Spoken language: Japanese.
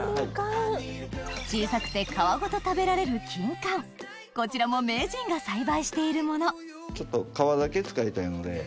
小さくて皮ごと食べられる金柑こちらも名人が栽培しているもの皮だけ使いたいので。